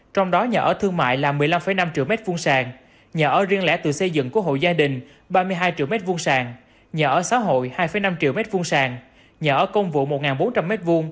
trong đó nhà ở thương mại là một mươi năm năm triệu m hai nhà ở riêng lẽ tự xây dựng của hội gia đình ba mươi hai triệu m hai nhà ở xã hội hai năm triệu m hai nhà ở công vụ một bốn trăm linh m hai